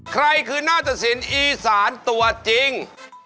ใครคือนาฏศิลป์อีสานตัวจริง